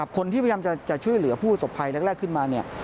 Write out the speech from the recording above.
คนที่พยายามจะช่วยเหลือผู้ประสบภัยเร็กขึ้นมา